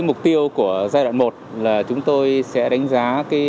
mục tiêu của giai đoạn một là chúng tôi sẽ đánh giá